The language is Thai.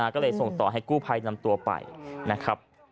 ก็เลยส่งต่อให้กู้ภัยนำตัวไปนะครับ